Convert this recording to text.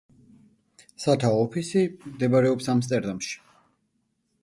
სათაო ოფისი მდებარეობს ამსტერდამში.